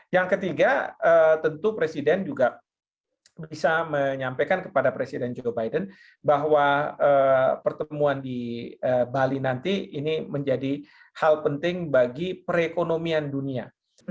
yang ketiga tentu presiden juga bisa menyampaikan kepada presiden joe biden bahwa pertemuan di bali nanti ini menjadi hal penting bagi perekonomian dunia